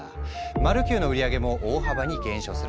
マルキューの売り上げも大幅に減少することに。